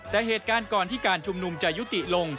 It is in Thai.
แต่เหตุการณ์ก่อนที่การชุมนุมจะยุติลง